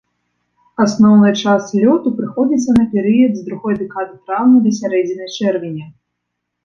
Асноўны час лёту прыходзіцца на перыяд з другой дэкады траўня да сярэдзіны чэрвеня.